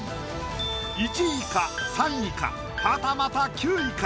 １位か３位かはたまた９位か。